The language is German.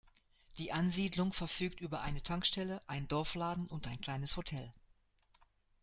Die Ansiedlung verfügt über eine Tankstelle, ein Dorfladen und ein kleines Hotel.